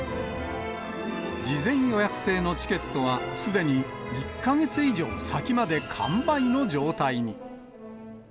事前予約制のチケットはすでに１か月以上先まで完売の状態に。